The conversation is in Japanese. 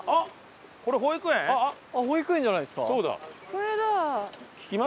これだ。